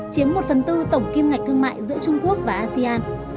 chiếm một phần tư tổng kim ngạch thương mại giữa trung quốc và asean